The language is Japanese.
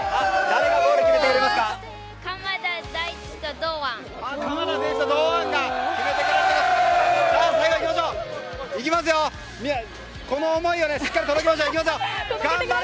誰がゴール決めると思いますか？